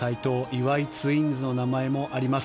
岩井ツインズの名前もあります。